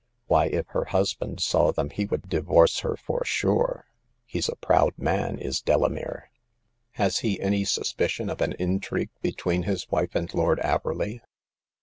Why, if her husband saw them he would divorce her for sure ! He's a proud man, is Delamere." Has he any suspicion of an intrigue between his wife and Lord Averley